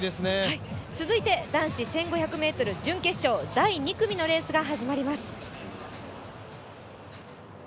続いて男子１５００ｍ準決勝、第２組のレースが始まります。